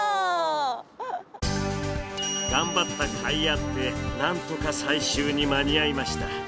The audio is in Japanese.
頑張ったかいあってなんとか最終に間に合いました。